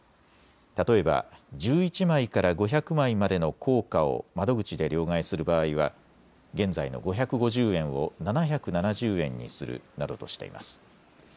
例えば１１枚から５００枚までの硬貨を窓口で両替する場合は現在の５５０円を７７０円にするなどとしています。